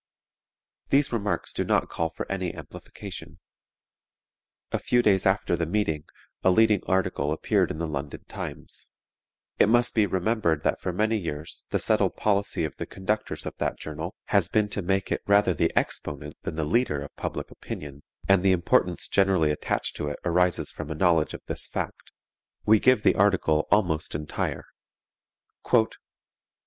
These remarks do not call for any amplification. A few days after the meeting a leading article appeared in the London Times. It must be remembered that for many years the settled policy of the conductors of that journal has been to make it rather the exponent than the leader of public opinion, and the importance generally attached to it arises from a knowledge of this fact. We give the article almost entire.